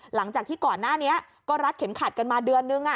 หลังจากที่ก่อนหน้านี้ก็รัดเข็มขัดกันมาเดือนนึง